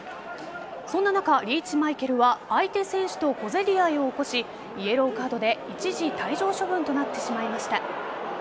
そんな中、リーチ・マイケルは相手選手と小競り合いを起こしイエローカードで、一時退場処分となってしまいました。